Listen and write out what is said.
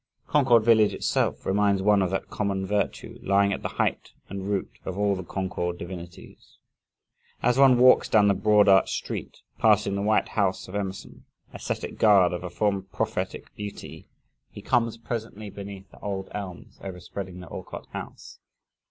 Concord village, itself, reminds one of that common virtue lying at the height and root of all the Concord divinities. As one walks down the broad arched street, passing the white house of Emerson ascetic guard of a former prophetic beauty he comes presently beneath the old elms overspreading the Alcott house.